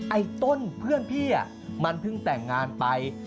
ไอ้ต้นเพื่อนพี่มันเพิ่งแต่งงานไป